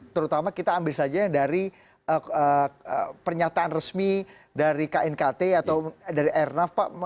terutama kita ambil saja dari pernyataan resmi dari knkt atau dari airnav pak